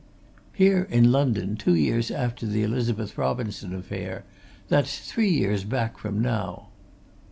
Here in London two years after the Elizabeth Robinson affair that's three years back from now."